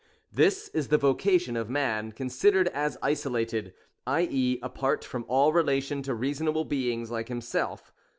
This is the vocation of man, considered as isolated, i.e. apart from all relation to reasonable beings like himself.